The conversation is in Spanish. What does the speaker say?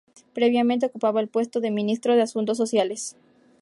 Previamente ocupaba el puesto de Ministro de Asuntos Sociales.